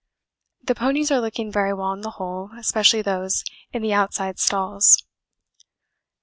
The ponies are looking very well on the whole, especially those in the outside stalls.